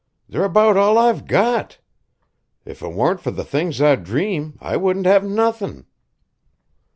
They're about all I've got. If it warn't fur the things I dream I wouldn't have nothin'."